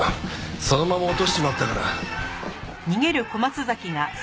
そのまま落としちまったから。